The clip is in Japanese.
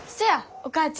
お母ちゃん。